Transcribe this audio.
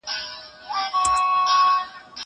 زه پرون د ښوونځی لپاره تياری وکړ!!